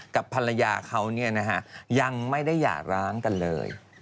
กับภรรยาเขายังไม่ได้หย่าร้างกันเลย